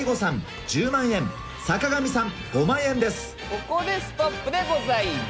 ここでストップでございます。